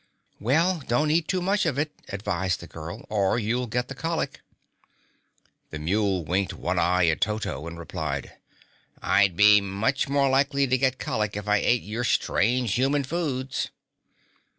"Well, don't eat too much of it," advised the girl, "or you'll get the colic." The mule winked one eye at Toto and replied, "I'd be much more likely to get the colic if I ate your strange human foods."